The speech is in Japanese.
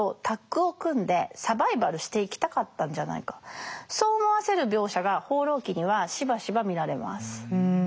男とではなくそう思わせる描写が「放浪記」にはしばしば見られます。